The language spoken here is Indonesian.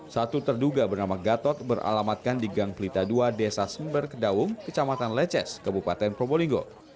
satu terduga bernama gatot beralamatkan di gang pelita ii desa sumber kedaung kecamatan leces kabupaten probolinggo